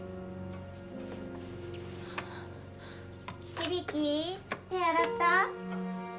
響手洗った？